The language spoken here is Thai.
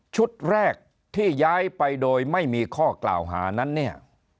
ชุดแรกที่ย้ายไปโดยไม่มีข้อกล่าวหานั้นเนี่ย